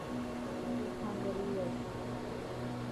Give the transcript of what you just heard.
ڦروٽ کاڻ ضروري ائي.